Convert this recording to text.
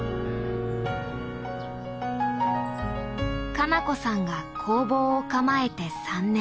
花菜子さんが工房を構えて３年。